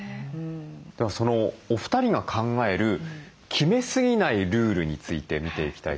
ではそのお二人が考える「決めすぎないルール」について見ていきたいと思います。